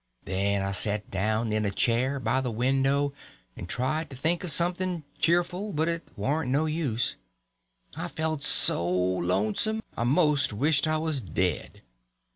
Then I set down in a chair by the window and tried to think of something cheerful, but it warn't no use. I felt so lonesome I most wished I was dead.